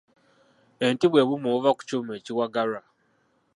Enti bwe buuma obuva ku kyuma ekiwagalwa.